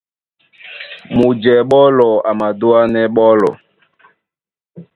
Mujɛ̌ɓólɔ a madúánɛ́ ɓɔ́lɔ̄.